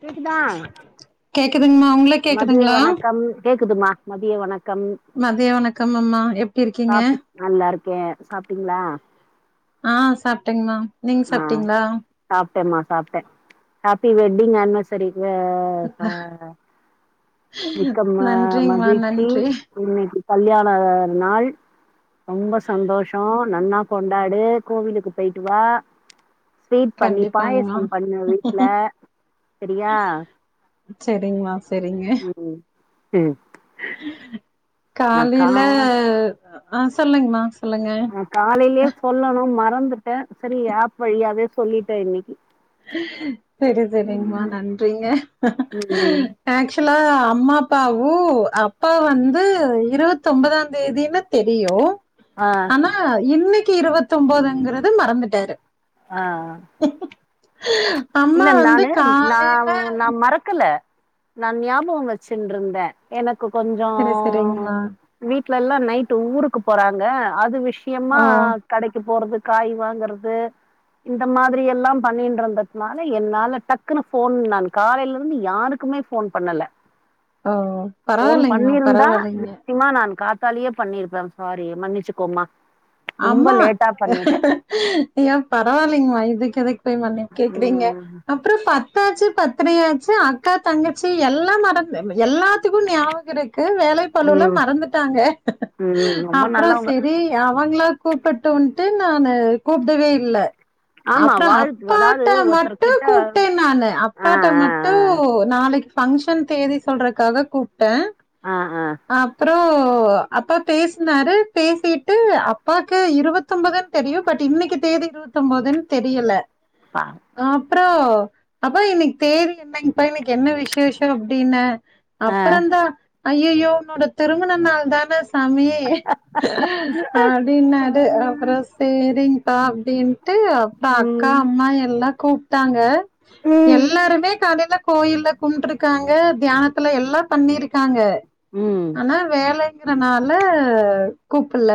கேக்குதா துங்மா உங்களுக் மதிய கேக்குதுங்ளா வணக்கம் கேக்குதுமா மதிய வணக் மதிய வணக்கம் அம்மா எப்டி இருக்கிங்க கே சாப்ட்டிங்ளா ஆஹ் சாப்ட்டேங் மேம் ஆஹ் சாப்ட்டேம்மா சாப்ட்டே ஹேப்பி வெட் டிங் ஆன்வெர்சரி வே ஃப விக்கம்மா நன்றிங்மா மகிழ்ச்சி நன்றி இன்னைக்கு கல்யாண நாள் ரொம்ப சந்தோஷம் நன்னா கொண்டா டாடு கோவிலுக்கு போயிட்டு வா ஸ்வீட் பண்ணி கண்டிப்பாங்மா பாயசம் பண்ணு வீட்டுல சரியா செரிங்கமா செரிங்க உம் காலையில ஆஹ் சொல்லுங்கமா ஆ காலையிலயே சொல்லணும் மறந்து ன் சரி ஆப் வழியாவே சொல்லிட்டேன் இன்னைக்கு சரி சரிங்கமா நன்றிங்க ம் ஆக்சுவலா அம்மா அப்பாவு அப்பா வந்து இருவத்த ஒன்பதாம் தேதினு தெரியும் ஆ ஆனா இன்னைக் கு இருபத்து ஒண்பதுங்கறத மறந்துட்டாரு ஆஹ் அம்மா இல்ல வந்து நானு நா காலையில நா மறக்கல நா ஞாபகம் வச்சுட்டு இருந்தேன் என க்கு கொஞ்சம் சரி சரிங்கம்மா வீ ட்லல்லாம் நைட்டு ஊருக்கு போறாங்க அது விஷ யமா ஆ கடைக்கு போறது காய் வாங்கறது இந்த மாதிரி எல்லாம் பண்ணிட்டு இருந்த அதனால என்னால டக்குன்னு ஃபோன் நா காலையில இருந்து யாருக்குமே ஃபோன் பண்ணல ஓ ஃபோன் பரவாயில்லைங்கம்மா பண்ணியிருந்தா பரவாயில்லைங்க நிச்சயமா நா கா லியே பண்ணிருப்பேன் சாரி மன்னிச்சுக்கோமா ரொம்ப அம்மா லேட்டா பண்ணிட்ட ஏன் பரவாயில்லைங்மா இதுக்கு [unintelligible] ய கேக்குறீங்க ம் அப்புறம் ப த்தாச்சு பத்திரையாச்சு அக்கா தங்கச்சி எல் லாம் நடக்கு எல்லா த்துக்கும் ஞாபகம் இருக்கு வேலை பழுவல ம் மறந்துட்டாங்க ம் ரொம்ப அப்புறம் நல்லவங்க செரி ஞாபக அவங்களா கூப்டுட்டு வந்ட்டு நானு கூப்டவே இல்லை ஆமா அப்பறம் வாழ்த்து அதாவது அப்பாட்ட மட்டு ஒருத்தர்கிட்ட கூப்ட்டேன் நானு ஆ அப்பாட்ட ஆ மட்டு நாளைக்கு பங்க்ஷன் தேதி சொல்றக்காக கூப்ட்டேன் ஆ ஆ ஆ அப்புறம் ஓ அப்பா பேசுனாரு பேசிட்டு அப்பாக்கு இருபத்தொன்பதுன்னு தெரியும் பட் இன்னைக்கு தேதி இருபத்தொன்பதுன்னு தெரியல பா அப்புறம் அப்பா இன்னக்கி தேதி என்னங்ப்பா இன்னைக்கி என்ன விசேஷம் அப்படின்ன ஆ அப்பறந்தான் அய் ஐயயோ உன்னோட திருமண நாள் தான சமைய அப்டின்னாரு அப்புறம் சேரிங் தாப்டி டுஅப்புறம் அக்கா ம் அம்மா எல்லாம் கூப்ட்டாங்க எல்லாருமே காலையில கோயில்ல கும்ட்டுருக்காங்க தியானத்துல எல்லாம் பண்ணிருக்காங்க ம் ஆனா வேல இருக்கறனால கூப்பல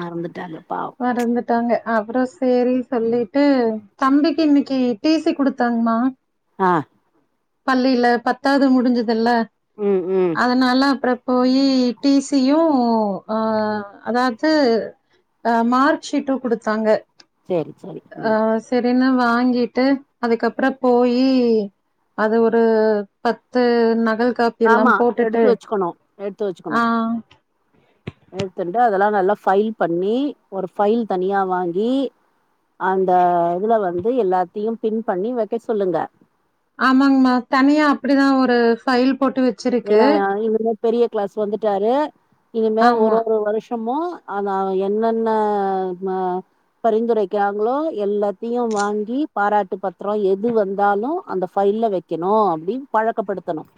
மறந்துட்டாங்க பாவம் மறந்துட்டாங்க அப்றம் செரி சொல்லிட்டு தம்பிக்கு இன்னிக்கு டிசி குடுத்தாங்மா அ பள்ளில பத்தாது முடிஞ்சுதுல்ல ம் ம் அதனால அப்றம் போய் டிசியும ஆ அதாது மார்க்ஷீட்டும் கொடுத்தாங்க சரி சரி ம் ஆஹ் செரின வாங்கிட்டு அதுக்கப்ற போயி அது ஒரு பத்து நகல் காபி ஆமா எல்லாம் போட்டுட்டு எடுத்து வச்சுக்கணும் எடுத்து வச்சுக்கணு ஆ எடுத்துன்டு அதெல்லா நல்லா ஃபைல் பண்ணி ஒரு ஃபைல் தனியா வாங்கி அந்த இதுல வந் எல்லாத்தையும் பின் பண்ணி வெக்க சொல்லுங்க ஆமாங்மா தனியா அப்டிதான் ஒரு ஃபைல் போட்டு வச்சிருக்கு ஏன்னா இனிமே பெரிய கிளாஸ் வந்துட்டாரு இனிமே ஆமா ஒரு ஒரு வருஷமும் அதா என்னென்ன ம.. பரிந்துரைக்கிறாங்களோ எல்லாத்தியும் வாங்கி பாராட்டு பத்ரம் எது வந்தாலும் அந்த ஃபைல்ல வைக்கணும் அப்டி பழக்கப்படுத்தணும்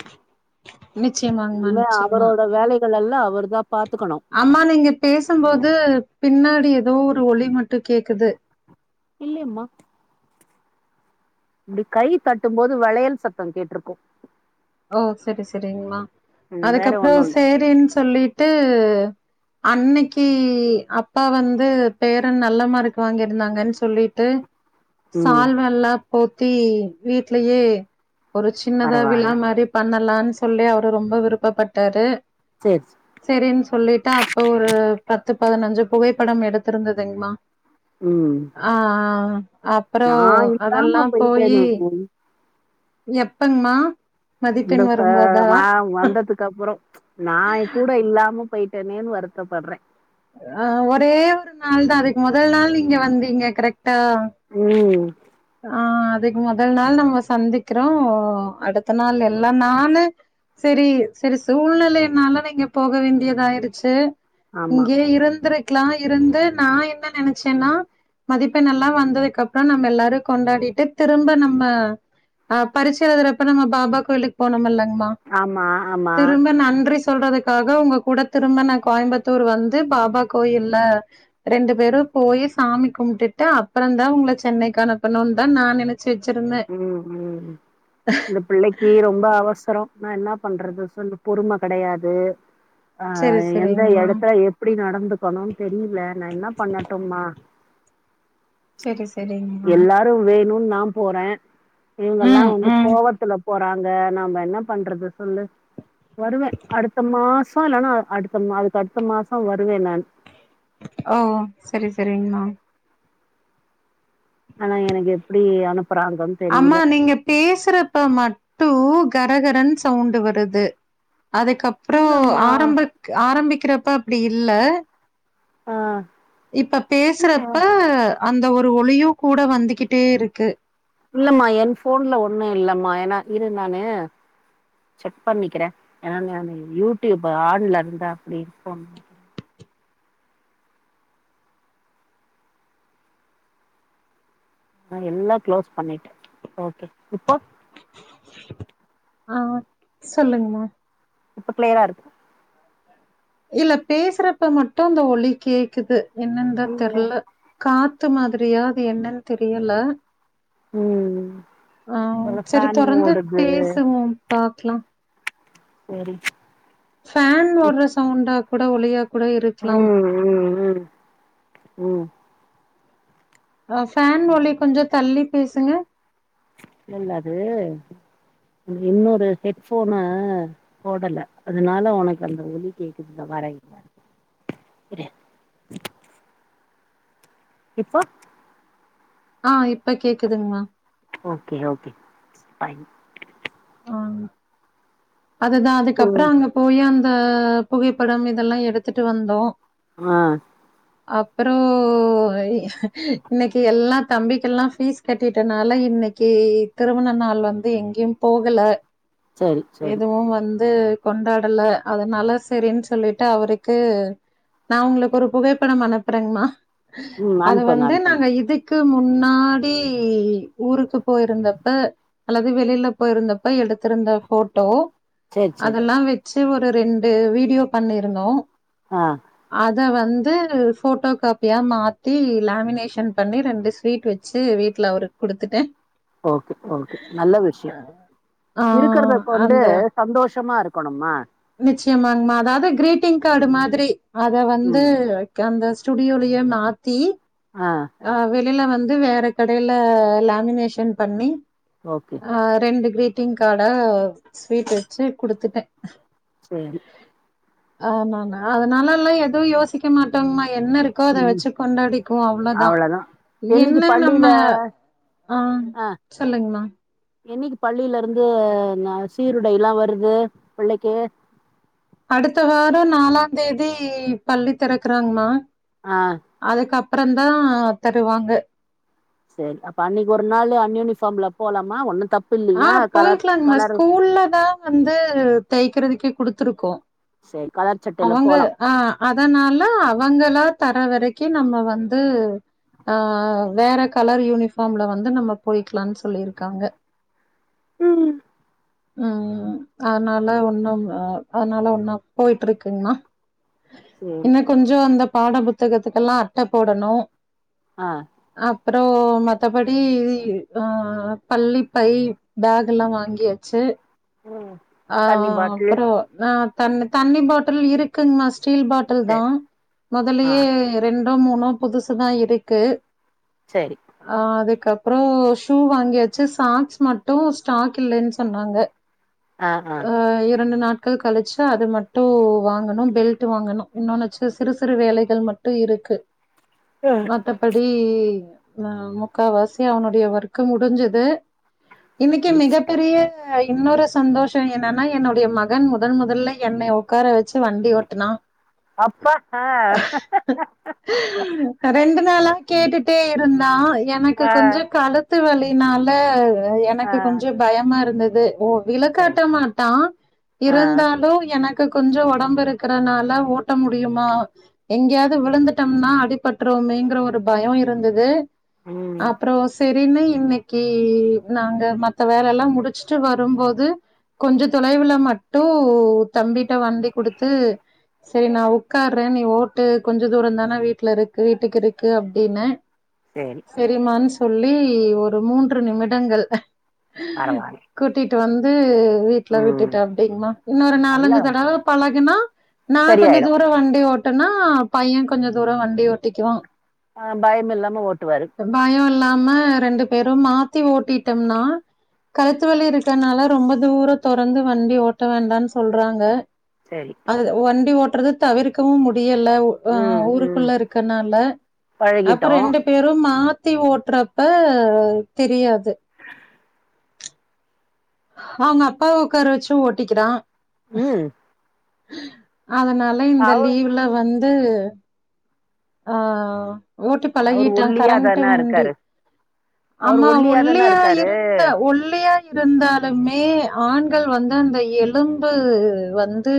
நிச்சயமாங்மா இனிமே நிச்சயமா. அவரோட வேலைக் எல்லாம் அவர் தான் அம்மா நீங்க பேசும்போது பின்னாடி ஏதோ ஒரு ஒலி மட்டும் கேக்குது இல்லேயம்மா இப்டி கை தட்டும் போது வளையல் சத்தம் கேட்ருக்கும் ஓ செரி செரிங்கமா ம் வேற ஒண்ணு அதுக்கப்றம் இல்ல சேரின் சொல்லிட்டு [unintelligible] அன்னக்கி அப்பா வந்து பேர நல்ல மார்க் வாங்கிருந்தாங்கன்னு சொ சொல்லிட்டு ம் சால்வல்லாம் போட் தி வீட்லயே ஒரு சின்னதா பரவால்ல விழாம பண்ணலான்னு சொல்லி அவரு ரொம்ப விருப்பப்பட்டாரு செரி செரி அப்டினு சொல்லிட்டா அப்ப ஒரு பத்து பதினஞ்சு புகைப்படம் எடுத்திருந்ததுங்கமா ம் ஆ ஆ ஆ நா அப்புறம் இல்லாம அதெல்லாம் போயி போயிட்டேனே எப்பங்மா இந்த மதிப்பெண் வரும்போதா மா வந்ததுக்கு அப்புறம் நான் கூட இல்லாம போயிட்டு ன்னு வருத்தப்படுறேன் ஆ ஒரே ஒரு நாள் தான் அதுக்கு முதல் நாள் நீங்க வந்தீங்க கரெக்ட டா ம் ஆ அதுக்கு முதல் நாள் நம்ம சந்திக்கிறோம் அடுத்த நாள் எல்ல நானு சரி சரி சூழ்நிலைனால நீங்க போக வேண்டியதாயிருச்சு ஆமா. இங்கே இருந்துருக் [unintelligible] இருந்து நான் என்ன நினைச்சேன்னா மதிப்பெண்ல்லாம் வந்ததுக்குப்புறம் நம்ம எல்லாரும் கொண்டாடிட்டு திரும்ப நம்ம ஆ பறிச்சுிருதுறப்ப நம்ம பாபா கோயிலுக்கு போனோம்ல்லங் மா ஆமா, ஆமா. திரும்ப நன்றி சொல் சொல்றதுக்காக உங்க கூட திரும்ப நான் கோயம்புத் தூர் வந்து பாபா கோயில்ல ரெண்டு பேரும் போய் சாமி கும்பிட்டுட்டு அப்புறம தான் உங்கள சென்னைக்கு அனுப்பணும்னு தான் நான் நினைச்ச ம் ம் இந்த பிள்ளைக்கு ரொம்ப அவசரம் நான் என்ன பண்றது சொல்லு பொறும கெடையாது ஆ செரி எந்த செரிங்மா எடத்துல எப்படி நடந்துக்கணும்னு தெரியல நான் என்ன பண்ணட்டோமா செரி செரிங்மா எல்லாரும் வேணும் நாம் போறேன் இவங்கல்லா ம் வந்து ம் கோவத்துல போற றாங்க நாம்ப என்ன பண்றது சொல்லு வருவே அடுத்த மாசோ இல்லன்னா அடுத்த அதுக்கு அடுத்த மாசோ வருவே நான் ஓ சரி சரிங்ம்மா ஆனா எனக்கு எப்டி அனு அம்மா நீங்க பேசுறப்ப மட் டு கரகரன் சவுண்டு வருது அதுக்கப்புறோ இல்லம்மா. ஆரம்ப ஆரம்பி க்கிறப்ப அப்படி இல்ல ஆ இப்ப இல்ல. பேசுறப்ப அந்த ஒரு ஒலியு கூட வந்துகிட்டே இருக்கு இல்லம்மா என் ஃபோன்ல ஒண்ணு இல்லம் மா ஏனா இரு நானு செக் பண்ணிக்கிறே ஏனா நானு யூடியூப் ஆன்ல இருந்தா அப்படி ஃபோன் [unintelligible] ஆஹ எல்லா க்ளோஸ் பண்ணிட்டே ஓகே இப்போ ஆஹ் சொல்லுங்கமா இப்ப கிளியரா இருக்கா இல்ல பேசுறப்ப மட்டு இந்த ஒலி கேக்குது என்னந்த ஐய்ய தெர்ல கா த்து மாதிரியா அது என்னன் தெரியில ம் ஆஹ ஒரு சேரி ஃபேன் தொடர்ந்து ஓடுது பேசுவோம்ப்பா க்லா சேரி ஃபேன் ஓட்ற சவுண்டாக் கூட ஒலியாக் கூட இருக்குலாம் உம் ஃபேன் ஒலிக் கொஞ்சத் தள்ளி பேசுங்க இல்லது இன்னொரு ஹெட்ஃபோனு போடல்ல அதுனால உனக்கு அந்த ஒலி கேக்குது இத வர இருங்க இரு இப்போ ஆஹா இப்ப கேக்குதுங்ம்மா ஓக்கே ஓக்கே ஸ்பயின் ஆ அதுதா அதுக்கப்புற ம் அங்கு போய்யாம் அ புகைப்படம் இதெல்லா எடுத்துட்டு வந்தோ ஆஹ் அப்புறோ இன்னைக்கு எல்லா தம்பிக்க எல்லா ஃபீஸ் கட்டிட்டனால இன்னைக்கு திருமண நாள் வந்து எங்கியும் போகல சேரி சேரி எதுவு வந் து கொண்டாடல அதனால செரின் சொல்லிட்டு அவுருக்கு நா உங்குளுக் ஒரு புகைப்படம் அனுப்புறங்மா ம் அத அனுப்புங்க வந்து அனுப்புங்க நாங்க இதுக் கு முன்னாடி ஊருக்கு போயிருந்தப்ப அல்லது வெளியில போயிருந்தப்ப எடுத்திருந்த ஃபோட்டோ சேரி சேரி அதல்லா வெச்சு ட்டு ஒரு ரெண்டு வீடியோ பண்ணிருந்தோ அ த வந்து ஃபோட்டோ காப்பியா மாத்தி லேமினேஷன் பண்ணி ரெண்டு ஸ்வீட் வெச்சு வீட்ல அவுருக் குடுத்துட்டே ஓக்கே ஓக்கே நல்ல விஷ்யோ ஆ இருக்கறத கொண்டு அந்த சந்தோஷமா இருக்கணும்மா ச்சியமாங்ம்மா அதாவது கிரீட்டிங் காடு மாதிரி அத வந்து ம் கேந்த ஸ் சுடியோலியே மாத்தி அ ளில வந்து வேற கடையில லேமினேஷன் பண்ணி ஓகே ஆஹ் ரெண்டு கிரீ ட்டிங் காடா ஸ்வீட் வெச்சு குடுத்துட்டே சேரி ஆ நானா நல்லால்னா எதுவு யோசிக்க மாட்டங்ம்மா என்ன இருக்கோ அதை ம் வெச்சு கொண்டாடிக்குவோ அவ்ள தா அவ்ளதா என்னைக்கு என்ன பள்ளியில நம்ம ஆஹ் சொல்லுங்மா என்னிக்கு பள்ளில இருந்து ந சீருடை எல்லா வருது பிள்ளைக்கு அடுத்த வாரோ நாலாந் தேதி பள்ளி தெறக்கறாங்மா ஆ அதுக்கப் ப்பறந்தா தருவாங்க சரி அப்ப அன்னிக்கு ஒரு நாளு அன்யூனிஃபாம்லப் போலாமா ஒன்னு தப் ஆஹ் போய்க்கலாங்ம்மா ஸ்கூல்ல தா வந்து தெய்க்கிறதுக் கி குடுத்துருக்கோ சரி கலர் சட்டையில அவங்க போலா அ அதனால அவங்களா தர வரைக்கு நம்ம வந்து ஆஹ் வேற கலர் யூனிஃபாம்ல வந்து நம்ம போயிக்லான் சொல்லிருக்காங்க உம் ம் அதனால ஒன்னும் அ அதனால ஒன்னாப் போயிட்ருக்குங்மா சரி இன்ன கொஞ்சு அந்த பாட புத்தகத்துக்கெல்லா ட்ட போடணு ஆ ப்றோ மற்றபடி ஆ பள்ளி பை பேக் எல்லா வாங்கியாச்சு ம் ஆ ஆ தண்ணி பாட்டிலு அப்பறோ நா தண்ண தண்ணி பாட்டுல் இருக்குங் மாஸ் சீல் பாட்டுல் தா சரி ஆ மொதலயே ரெண் மூணோ புதுசு தா இருக்கு சரி ஆ அதே கப்றோ ஷூ வாங்யாச்சு சாக் ஸ் மட்டு ஸ்டாக் இல்லேன் சொன்னாங்க ஆ ஆ அ இரண்டு நாட் கு கலச்ச அது மட்டு வாங்கணு பெல்ட் வாங்கணு இன்னொனச்சு சிறு சிறு வேலைகள் மட்டு இருக்கு ம். வத்தபடி வ முக்கா வாசி அவனுடிய ஒர்க்கு முடிஞ்சிது இன்னிக்கி மிகப் பெரிய இன்னொரு சந்தோஷ என்னன்னா என்னுடிய மகன் முதன் முதல்ல என்னய ஒக்கார வச்சு வண்டி ஓட்டுனா அப்பா அ னேலா கேட்டுட்டே இருந்தா எனக்கு ஆ கொஞ்ச கலு த்து வலினால ஆ எனக்கு கொஞ்சு பயமாருந்தத் து மோ சரி இலக்காட்ட மாட்டா ஆ இருந்தாலு எனக் கொஞ்சோ ஒடம்பு இருக்குறனால ஓட்ட முடியுமா எங்யாது விழுந்துட்டம்னா அடிபட்றோமேங்ற ஒரு பயொ இருந்துது ம் அப்றோ சேர் இன்னு இன்னைக்கு நாங்க மத்த வேலை எல்லா முடிச்சுட்டு வரும்போது கொஞ்ச தொலைவுல மட்டு தம்பிட்ட வண்டி குடுத்து சரி நா உட்கார்ற நீ ஓட்டு கொஞ்ச தூரந்தான வீட்ல இருக்கு வீட்டுக்கு இருக்கு அப்டினு சேரி சரிம்மான் சொல்லி ஒரு மூன்று நிமிட ங்கள் பரவால்ல கூட்டி ட்டு வந்து வீட்ல ம் விட்டுட்டாப்டிங்மா இன்னொரு நல்லா நாலஞ்சு தடவ பழக் கினா நா கொஞ்ச சரியாயிடு தூரோ வண்டி ஓட் ட்டனா பைய கொஞ்ச தூரோ வ ஆஹ் பயமில்லாம ஓட்டுவாரு ல்லாம ரெண்டு பேரு மாத் டி ஓட்டிட்டம்னா கழுத்துவலி இருக்கறனால ரொம்ப தூரோ தொடர்ந்து வண்டி ஓட்ட வேண்டானு சொல்றாங்க சேரி அது வண்டி ஓ ட்றது தவிர்க்கவு மு டியல உ அ ம் ம் ஊருக்குள்ள இருக்கனால அப்றோ பழகிட்டோ ரெண்டு பேரு மா த்தி ஓட்றப்ப தெரியாது அவங்க அப்பாவ உக்கார வெச்சு ஓட்டிக்கிறா உம் ஹ அதனால இந்த லீவ்ல வந் து ம்ஹ் ஓட்டி அவரு பழகிட்டோ ஒல்லியா கரண்ட்டு தான வண்டி இருக்காரு அவரு ஆமா தான ஒல்லியா இருக்காரு இருந்தே ஒல்லியா இருந்தா தி ஆண்கள் வந்து அந்த எலும்பு வந்து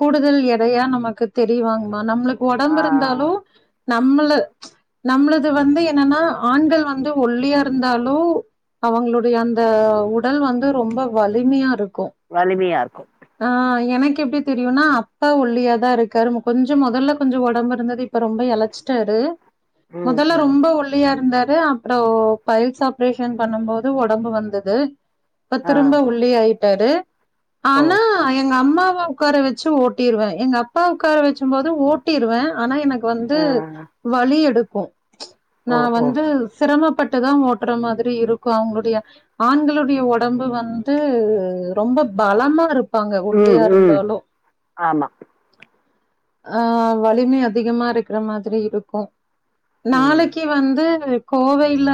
கூடுதல் எடையா நமக்கு தெரிவாங்மா நம்ளுக்கு ஆ ஒடம்பு இருந்தாலு நம்மள நம்மளது வந்து என்னன்னா ஆண்கள் வந்து ஒல்லியா இருந்தாலு அவங்களுடைய அந்த உடல் வந்து ரொம்ப வலிமையா இருக் வலிமையார் ஆஹ் எனக் எப்டி தெரியுன்னா அப்பா ஒல்லியாதா இருக்காரு [unintelligible] கொஞ்ச மொதல்ல கொஞ்சோ ஒடம்பு இருந்துது இப்ப ரொம்ப எழச்ட்டாரு ம் மொதல்ல ம் ரொம்ப ஒல்லியா இர்ந்தாரு அப்பறோ பைல்ஸ் ஆப்ரேஷன் பண்ணும் போது ஒடம்பு வந்துது இப்ப ஆ திரும்ப ஒல்லி ஆய் ட்டாரு ஓ எங்கம்மாவ உக்கார வெச்சு ஓட்டிருவே எங்கப்பாவ உக்கார வெச்சும்போது ஓட்டிருவே ஆனா எனக் கு வந்து ஆ வலி எடுத் கு ஓ நா ஓ வந்து சிரமப் பட்டு தா ஓட்ற மாதிரி இருக்கு அவங்களுடைய ஆண்களுடைய ஒடம்பு வந்து ரொம்ப பலமா இரு உம் உம் ஆமா ஆஹ் வலிமை அதிகமா இருக்குற மாதிரி இருக்கு ம் நாளைக்கு வந்து கோவையில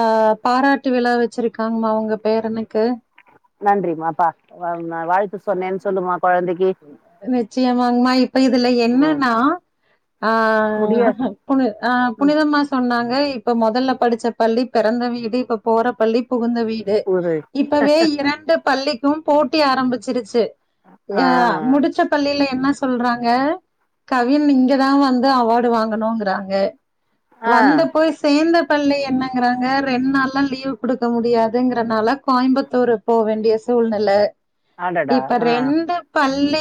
அஹ் பாராட்டு விழா வச்சிருக்காங்மா உங்க பேரனுக்கு நன்றிமா பா நா வாழ்த்து சொன்னேன் சொல்லுமா கொழந்தைக் ஏ ச்சியமாங்மாய் இப்ப இதுல என்னன்னா முடிய ஆஹ் புனி ஆஹ் ம், புனிதம்மா சொன்னாங்க இப்ப முதல்ல படிச்ச பள்ளி பிறந்த வீடு இப்ப போற பள்ளி புகுந்த வீ இது ஒரு இப்பவே இரண்டு பள்ளிக் இப்பவும் போட்டி ஆரம்பிச்சிருச்சு ஆ எ முடிச்ச பள்ளியில என்ன சொல்றாங்க கவின் இங்கதா வந்து அவார்டு வாங்கணுங்குறாங்க ஆ வந்த போய் சேந்த பள்ளி என்னங்கறாங்க ரெண்டு நாள் ல்லா லீவ் குடுக்க முடியாதுங்கறனால கோயம்புத்தூர் போவேண்டிய சூழ்நில அடடா இப்ப ஆ ரெண்டு பல்லே